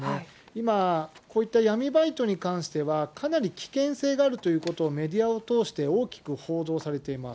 今、こういった闇バイトに関しては、かなり危険性があるということをメディアを通して大きく報道されています。